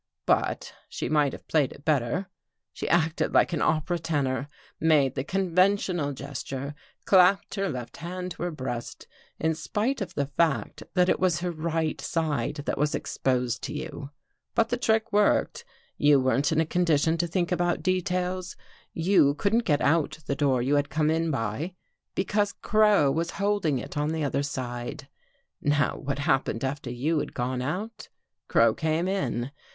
But she might have played it better. She acted like an opera tenor — made the conventional gesture — clapped her left hand to her breast, in spite of the fact that it was her right side that was exposed to you. " But the trick worked. You weren't in a con dition to think about details. You couldn't get out the door you had come in by, because Crow was holding it on the other side. '' Now what happened after you had gone out? Crow came in.